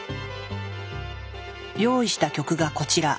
用意した曲がこちら。